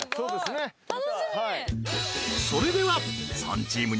［それでは］